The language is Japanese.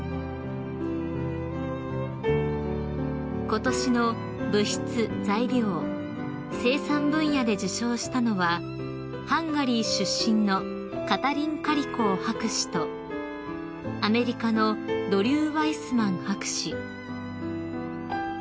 ［ことしの「物質・材料、生産」分野で受賞したのはハンガリー出身のカタリン・カリコー博士とアメリカのドリュー・ワイスマン博士］